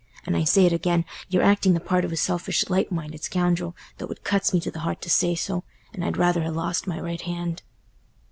And I say it again, you're acting the part of a selfish light minded scoundrel though it cuts me to th' heart to say so, and I'd rather ha' lost my right hand."